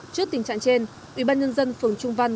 trước tình trạng trên ubnd phường trung văn